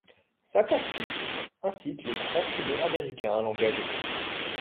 Sa plastique incite les grands studios américains à l'engager.